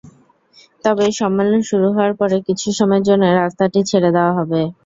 তবে সম্মেলন শুরু হওয়ার পরে কিছু সময়ের জন্য রাস্তাটি ছেড়ে দেওয়া হবে।